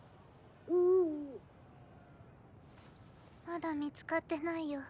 ・まだ見つかってないよ。